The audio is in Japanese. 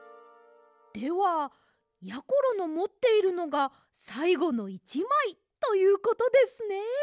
ではやころのもっているのがさいごの１まいということですね。